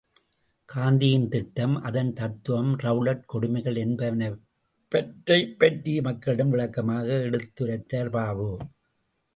காந்தியின் திட்டம், அதன் தத்துவம், ரெளலட் கொடுமைகள் என்பனவற்றைப் பற்றி மக்களிடம் விளக்கமாக எடுத்துரைத்தார் பாபு.